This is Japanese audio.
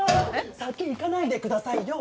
先行かないでくださいよ